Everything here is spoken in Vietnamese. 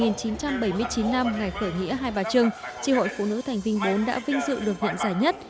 một nghìn chín trăm bảy mươi chín năm ngày khởi nghĩa hai bà trưng tri hội phụ nữ thành viên bốn đã vinh dự được nhận giải nhất